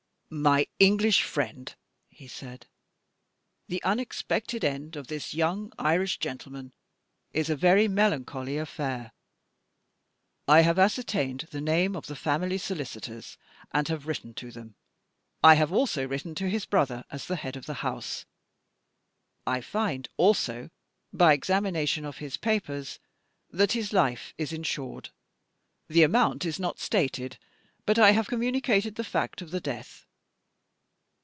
"My English friend," he said, "the unexpected end of this young Irish gentleman is a very melancholy affair. I have ascertained the name of the family solicitors and have written to them. I have also written to his brother as the head of the house. I find also, by examination of his papers, that his life is insured the amount is not stated, but I have communicated the fact of the death.